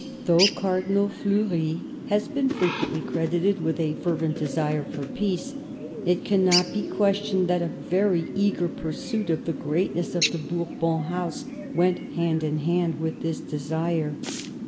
Though Cardinal Fleury has been frequently credited with a fervent desire for peace, it cannot be questioned that a very eager pursuit of the greatness of the Bourbon House went hand in hand with this desire.